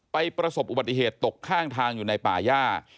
ประสบอุบัติเหตุตกข้างทางอยู่ในป่าย่า